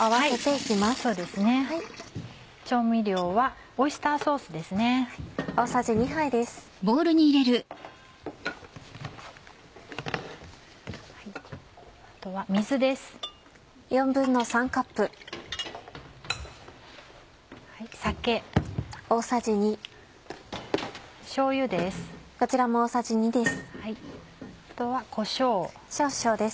あとはこしょう。